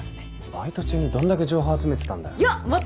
バイト中にどんだけ情報集めてたんだよ。